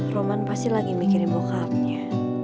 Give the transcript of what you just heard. roman pasti lagi mikirin mokhlaknya